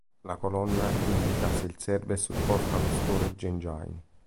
La colonne indica se il server supporta lo storage engine.